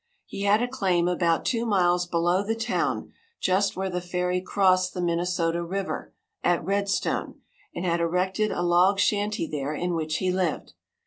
He had a claim about two miles below the town, just where the ferry crossed the Minnesota river, at Red Stone, and had erected a log shanty there, in which he lived.